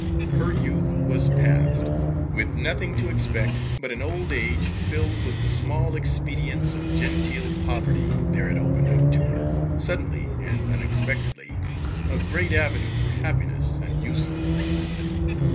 Her youth was past; with nothing to expect but an old age filled with the small expedients of genteel poverty, there had opened up to her, suddenly and unexpectedly, a great avenue for happiness and usefulness.